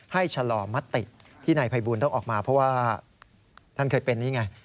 ชะลมติที่นายภัยบูลต้องออกมาเพราะว่าท่านเคยเป็นนี่ไง